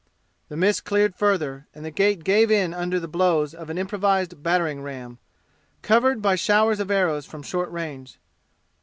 The mist cleared further, and the gate gave in under the blows of an improvised battering ram, covered by showers of arrows from short range.